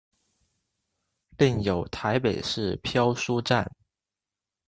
另有台北市漂书站。